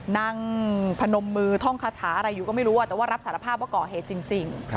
นั่งพนมมือท่องคาถาอะไรอยู่ก็ไม่รู้แต่ว่ารับสารภาพว่าก่อเหตุจริง